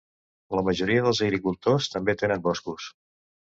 La majoria dels agricultors també tenen boscos.